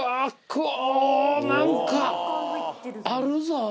お何かあるぞ。